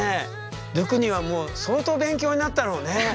ドゥクニはもう相当勉強になったろうね。